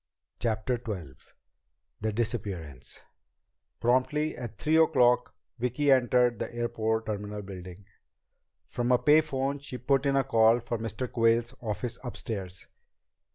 CHAPTER XII The Disappearance Promptly at three o'clock Vicki entered the airport terminal building. From a pay phone she put in a call for Mr. Quayle's office upstairs.